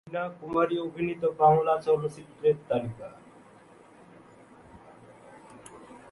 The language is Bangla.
মীনা কুমারী অভিনীত চলচ্চিত্রের তালিকা